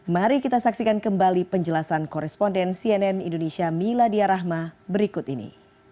mari kita saksikan kembali penjelasan koresponden cnn indonesia miladia rahma berikut ini